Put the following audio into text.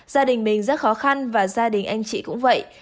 gia đình mình rất khó khăn và gia đình anh chị cũng vậy